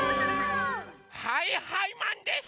はいはいマンです！